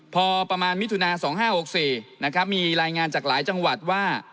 พอประมาณมิถุนา๒๕๖๔นะครับมีรายงานจากหลายจังหวัดว่า